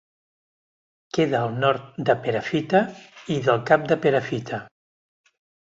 Queda al nord de Perafita i del Cap de Perafita.